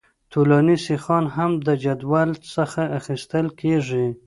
طولاني سیخان هم د جدول څخه اخیستل کیږي